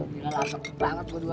gila langsung banget kedua dua